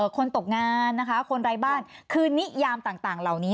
ตกงานนะคะคนไร้บ้านคือนิยามต่างเหล่านี้